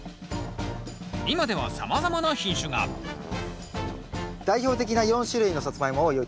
今ではさまざまな品種が代表的な４種類のサツマイモを用意いたしました。